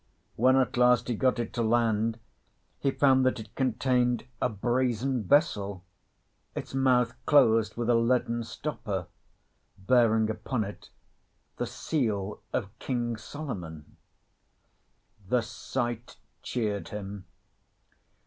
When at last he got it to land, he found that it contained a brazen vessel, its mouth closed with a leaden stopper, bearing upon it the seal of King Solomon. The sight cheered him.